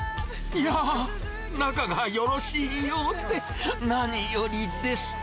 いやー、仲がよろしいようで、何よりです。